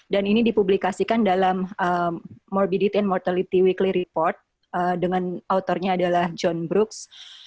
dan ini dipublikasikan dalam morbidity and mortality weekly report dengan autornya adalah john brooks